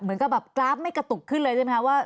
เหมือนกับแบบกราฟไม่กระตุกขึ้นเลยใช่ไหมคะว่า